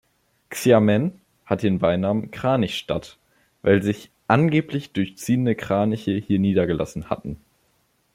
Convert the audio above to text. Xiamen hat den Beinamen Kranich-Stadt, weil sich angeblich durchziehende Kraniche hier niedergelassen hatten.